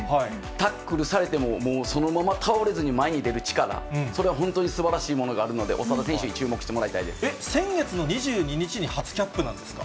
タックルされても、もうそのまま倒れずに前に出る力、それは本当にすばらしいものがあるので、長田選手に注目してもらえっ、先月の２２日に初キャップなんですか？